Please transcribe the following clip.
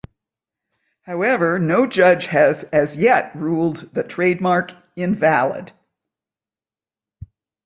However, no judge has as yet ruled the trademark invalid.